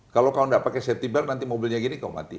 kalau tidak pakai safety belt nanti mobilnya gini mati